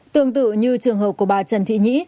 tương tự như trường hợp của bà trần thị nhí